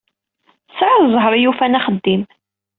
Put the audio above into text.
Tesɛiḍ ẓẓher i yufan axeddim.